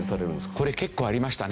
これ結構ありましたね